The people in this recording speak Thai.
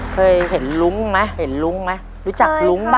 เคยเห็นรุ้งไหมรู้จักรุ้งป่ะ